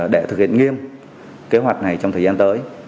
để thực hiện nghiêm kế hoạch này trong thời gian tới